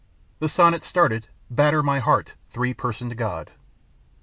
The sonnet started, "Batter my heart, three personed God."